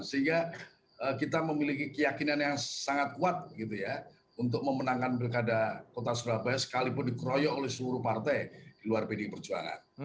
sehingga kita memiliki keyakinan yang sangat kuat gitu ya untuk memenangkan pilkada kota surabaya sekalipun dikeroyok oleh seluruh partai di luar pdi perjuangan